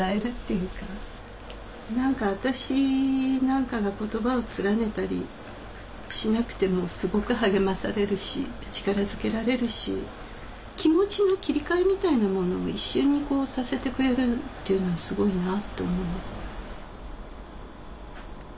何か私なんかが言葉を連ねたりしなくてもすごく励まされるし力づけられるし気持ちの切り替えみたいなものを一瞬にさせてくれるっていうのはすごいなと思います。